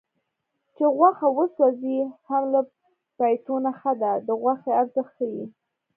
چې غوښه وسوځي هم له پیتو نه ښه ده د غوښې ارزښت ښيي